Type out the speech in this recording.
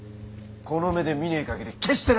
この目で見ねえかぎり決してな！